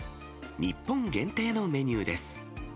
日本限定のメニューです。